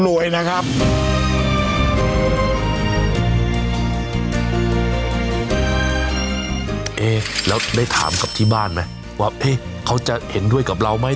ว่าเอ๊ะเขาจะเห็นด้วยกับเราไหม